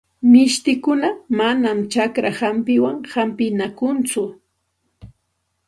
Mishtikuna manam chakra hampiwan hampinakunchu.